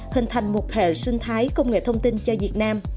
hình thành một hệ sinh thái công nghệ thông tin cho việt nam